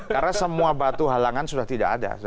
karena semua batu halangan sudah tidak ada